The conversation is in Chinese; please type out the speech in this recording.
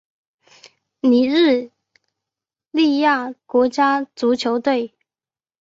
尼日利亚国家足球队